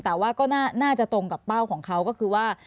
แต่ว่าก็น่าจะตรงกับเป้าของเขาก็คือว่า